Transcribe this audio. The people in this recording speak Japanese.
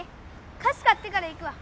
かし買ってから行くわ。